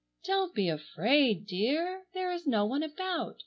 "Don't be afraid, dear; there is no one about.